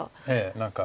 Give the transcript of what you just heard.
何か。